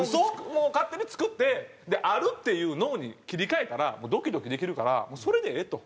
もう勝手に作ってあるっていう脳に切り替えたらドキドキできるからそれでええと。